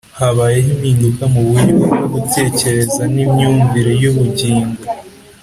Habayeho impinduka mu buryo bwo gutekereza n'imyumvire y'ubugingo,